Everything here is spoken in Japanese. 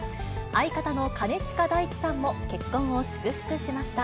相方の兼近大樹さんも結婚を祝福しました。